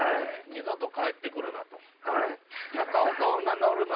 「二度と帰ってくるな」と。